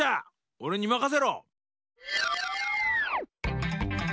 おれにまかせろ！